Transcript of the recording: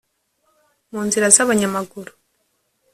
munzira z' abanyamaguru